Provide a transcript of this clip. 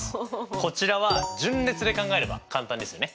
こちらは順列で考えれば簡単ですよね。